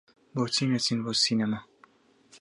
بۆچی نەچین بۆ سینەما؟